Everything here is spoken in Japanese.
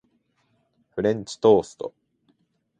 フレンチトースト